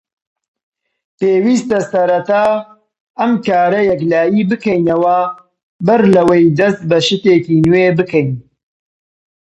پێویستە سەرەتا ئەم کارە یەکلایی بکەینەوە بەر لەوەی دەست بە شتێکی نوێ بکەین.